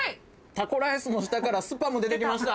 タコライスの下からスパム出て来ました！